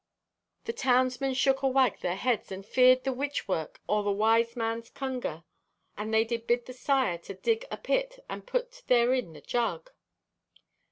The townsmen shook awag their heads and feared the witch work or the wise man's cunger, and they did bid the sire to dig a pit and put therein the jug."